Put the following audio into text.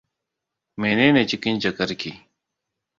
Mene ne cikin jakarki?